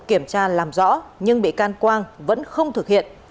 kiểm tra làm rõ nhưng bị can quang vẫn không thực hiện